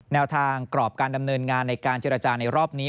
แนวทางกรอบการดำเนินงานในการเจรจาในรอบนี้